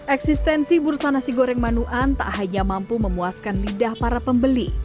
eksistensi bursa nasi goreng manuan tak hanya mampu memuaskan lidah para pembeli